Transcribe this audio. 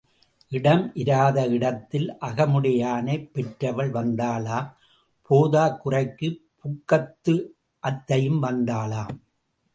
இடம் இராத இடத்தில் அகமுடையானைப் பெற்றவள் வந்தாளாம் போதாக் குறைக்குப் புக்ககத்து அத்தையும் வந்தாளாம்.